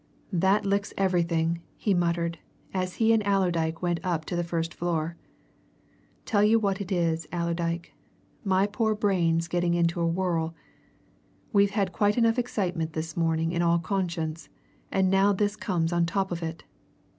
"That licks everything!" he muttered, as he and Allerdyke went up to the first floor. "Tell you what it is, Allerdyke my poor brain is getting into a whirl! We've had quite enough excitement this morning in all conscience, and now this comes on top of it.